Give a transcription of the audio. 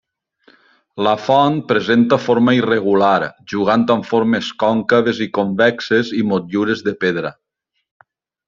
La font presenta forma irregular jugant amb formes còncaves i convexes i motllures de pedra.